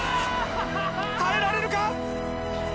耐えられるか！？